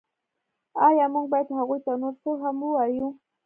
ایا موږ باید هغوی ته نور څه هم ووایو